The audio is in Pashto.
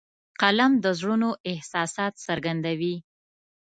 قلم د زړونو احساسات څرګندوي